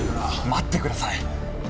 待ってください！